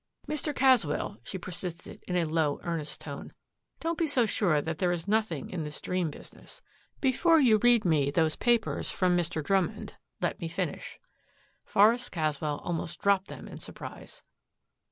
"Mr. Caswell," she persisted in a low, earnest tone, "don't be so sure that there is nothing in this dream, business. Before you read me those reports from Mr. Drummond, let me finish." Forest Caswell almost dropped them in surprise.